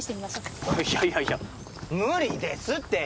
いやいやいや無理ですって！